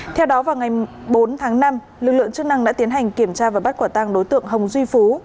theo đó vào ngày bốn tháng năm lực lượng chức năng đã tiến hành kiểm tra và bắt quả tàng đối tượng hồng duy phú